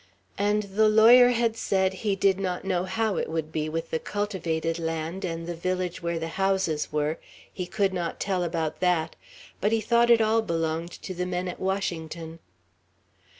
And the lawyer had said, he did not know how it would be with the cultivated land, and the village where the houses were, he could not tell about that; but he thought it all belonged to the men at Washington.